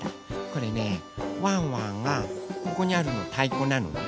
これねワンワンがここにあるのたいこなのね。